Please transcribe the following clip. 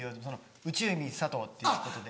「内海佐藤」っていうことで。